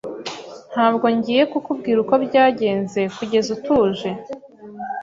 Ntabwo ngiye kukubwira uko byagenze kugeza utuje.